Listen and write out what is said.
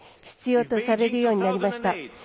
必要とされるようになりました。